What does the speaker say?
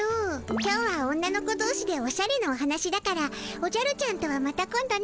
今日は女の子どうしでおしゃれのお話だからおじゃるちゃんとはまた今度ね。